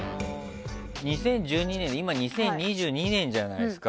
２０１２年今、２０２２年じゃないですか。